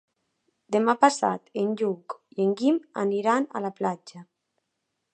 Demà passat en Lluc i en Guim aniran a la platja.